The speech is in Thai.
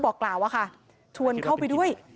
บอกกล่าวอะค่ะชวนเข้าไปด้วย